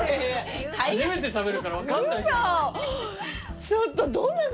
初めて食べるから分かんないじゃん。